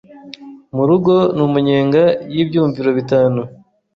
mu rugo numunyenga yibyumviro bitanu